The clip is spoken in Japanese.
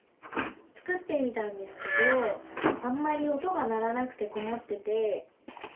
作ってみたんですけどあんまり音が鳴らなくてこまってて。